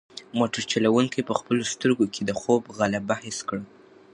موټر چلونکی په خپلو سترګو کې د خوب غلبه حس کړه.